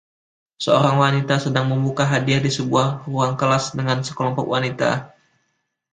Seorang wanita sedang membuka hadiah di sebuah ruang kelas dengan sekelompok wanita.